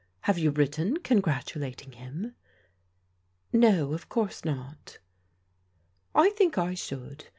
Have you written con gratulating him ?"" No, of course not.'* " I think I should.